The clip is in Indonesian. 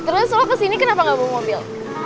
terus lo kesini kenapa nggak bawa mobil